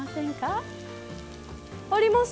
あります。